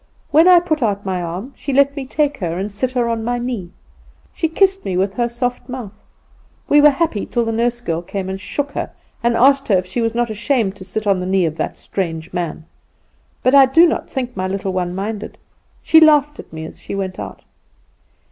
When I put out my arm she let me take her and sit her on my knee. She kissed me with her soft mouth. We were happy till the nurse girl came and shook her, and asked her if she was not ashamed to sit on the knee of that strange man. But I do not think my little one minded. She laughed at me as she went out.